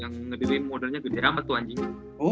yang ngedirin modalnya gede rambut tuh anjingnya